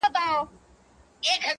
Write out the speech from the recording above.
ه ولي په زاړه درد کي پایماله یې,